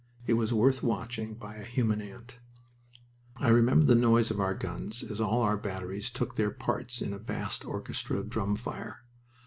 It was worth watching by a human ant. I remember the noise of our guns as all our batteries took their parts in a vast orchestra of drumfire.